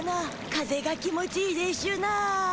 風が気持ちいいでしゅな。